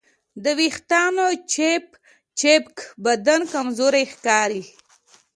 د وېښتیانو چپچپک بدن کمزوری ښکاري.